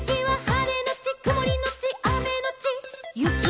「はれのちくもりのちあめのちゆき」